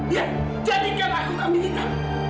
ya jadikan aku kami kita